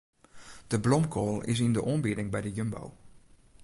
De blomkoal is yn de oanbieding by de Jumbo.